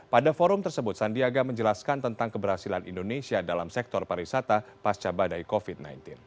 pada forum tersebut sandiaga menjelaskan tentang keberhasilan indonesia dalam sektor pariwisata pasca badai covid sembilan belas